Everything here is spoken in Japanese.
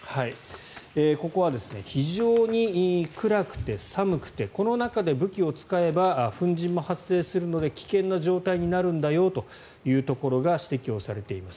ここは非常に暗くて寒くてこの中で武器を使えば粉じんも発生するので危険な状態になるんだよというところが指摘されています。